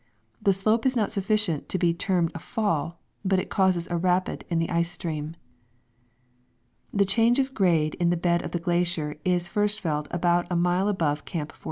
The slope is not sufficient to be termed a fall, but causes a rapid in the ice stream. The change of grade in the bed of the glacier is first felt about a mile above Camp 14.